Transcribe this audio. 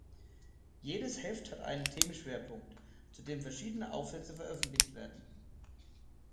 Jedes Heft hat einen Themenschwerpunkt, zu dem verschiedene Aufsätze veröffentlicht werden.